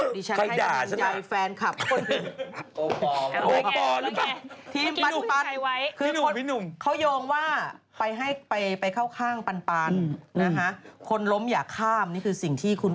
ดิฉันให้มาคุมใหญ่แฟนคลับคุณ